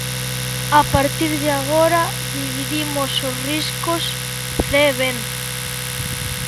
A partir de agora, dividimos os riscos, Zé Bento.